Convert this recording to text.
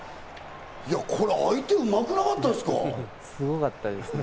これ、相手うまくなかったですごかったですね。